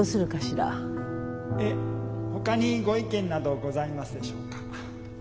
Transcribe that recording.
ええほかにご意見などございますでしょうか。